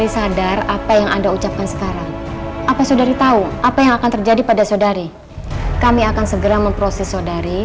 sekarang apa saudari tahu apa yang akan terjadi pada saudari kami akan segera memproses saudari